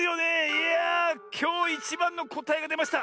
いやあきょういちばんのこたえがでました！